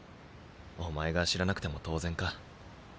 お前が知らなくても当然か。